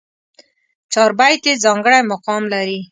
چاربېتې ځانګړی مقام لري.